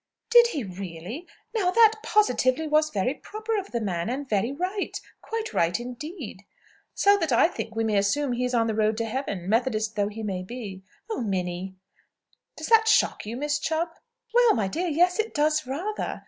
"Did he really? Now, that positively was very proper of the man, and very right. Quite right, indeed." "So that I think we may assume that he is on the road to Heaven, Methodist though he be." "Oh, Minnie!" "Does that shock you, Miss Chubb?" "Well, my dear, yes; it does, rather.